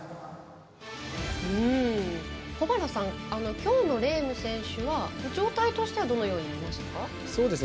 きょうのレーム選手は状態としてはどのように見ますか？